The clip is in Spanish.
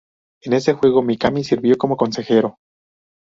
En ese juego, Mikami sirvió como consejero.